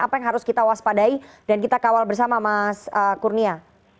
apa yang harus kita waspadai dan kita kawal bersama mas kurnia